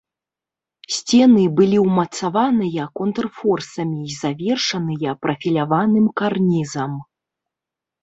Сцены былі ўмацаваныя контрфорсамі і завершаныя прафіляваным карнізам.